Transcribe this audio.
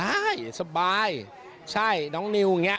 ใช่สบายใช่น้องนิวอย่างนี้